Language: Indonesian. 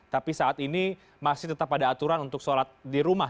tapi saat ini masih tetap ada aturan untuk sholat di rumah